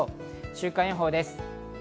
週間予報です。